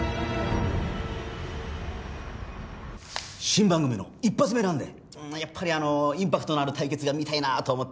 新番組の一発目なんでやっぱりインパクトのある対決が見たいなと思っていまして。